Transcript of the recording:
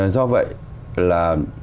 do vậy là